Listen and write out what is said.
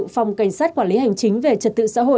phòng cảnh sát quản lý hành chính về trật tự xã hội